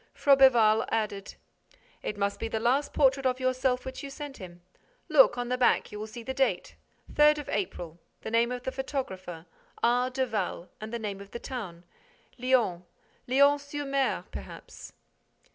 Froberval added: "It must be the last portrait of yourself which you sent him. Look, on the back, you will see the date, 3 April, the name of the photographer, R. de Val, and the name of the town, Lion—Lion sur Mer, perhaps."